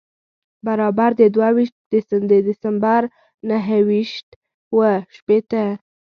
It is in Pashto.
برابر د دوه ویشت د دسمبر و نهه ویشت و شپېتو.